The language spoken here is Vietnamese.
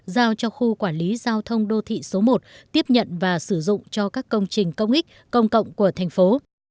giao cho khu quản lý giao thông đô thị số một tiếp nhận và sử dụng cho các công trình công ích công cộng của thành phố